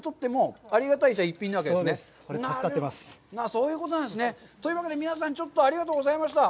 そういうことなんですね。というわけで、皆さん、ありがとうございました。